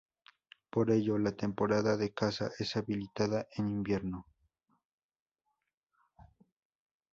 Por ello, la temporada de caza es habilitada en invierno.